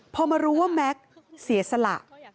พอมารู้ว่าแม็กซ์เสียสละ